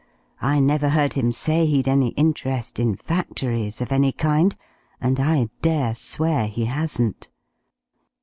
I never heard him say he'd any interest in factories of any kind, and I dare swear he hasn't.